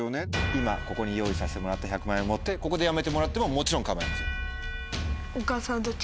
今ここに用意させてもらった１００万円を持ってここでやめてもらってももちろん構いません。